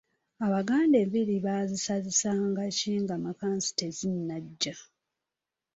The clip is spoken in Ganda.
Abaganda enviiri baazisazisanga ki nga makansi tezinajja?